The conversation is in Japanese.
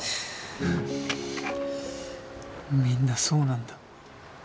みんなそうなんだ。